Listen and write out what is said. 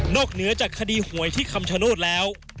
เหนือจากคดีหวยที่คำชโนธแล้ว